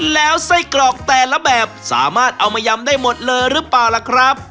แล้วไส้กรอกแต่ละแบบสามารถเอามายำได้หมดเลยหรือเปล่าล่ะครับ